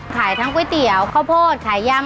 ขายทั้งก๋วยเตี๋ยวข้าวโพดขายยำ